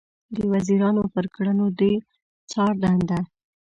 د وزیرانو پر کړنو د څار دنده